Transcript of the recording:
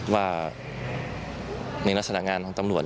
ว่าในรัฐศัลงาน